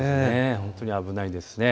本当に危ないですね。